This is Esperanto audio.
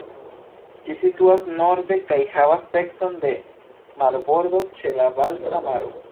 Ĝi situas norde kaj havas pecon de marbordo ĉe la Balta maro.